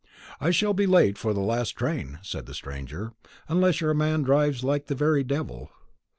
"I shall be late for the last train," said the stranger, "unless your man drives like the very devil."